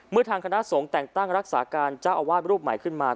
ทางคณะสงฆ์แต่งตั้งรักษาการเจ้าอาวาสรูปใหม่ขึ้นมา